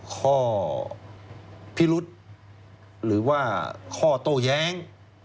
ข้อพิรุษหรือว่าข้อโต้แย้ง